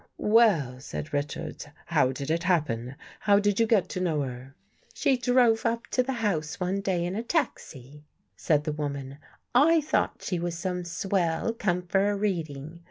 "Well," said Richards, "how did it happen? How did you get to know her? "" She drove up to the house one day in a taxi," 129 THE GHOST GIRL said the woman. " I thought she was some swell come for a reading.